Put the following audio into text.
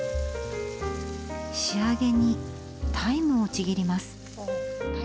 仕上げに、タイムをちぎります。